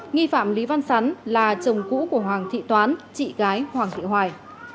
nghi phạm lý văn sắn là chồng cũ của hoàng thị toán chị gái hoàng thị hoài